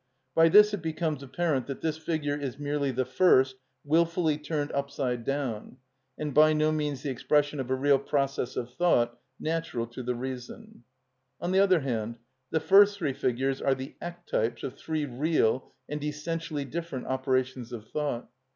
By this it becomes apparent that this figure is merely the first, wilfully turned upside down, and by no means the expression of a real process of thought natural to the reason. On the other hand, the first three figures are the ectypes of three real and essentially different operations of thought.